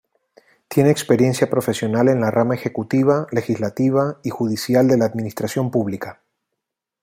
Tiene experiencia profesional en la Rama Ejecutiva, Legislativa y Judicial de la Administración Pública.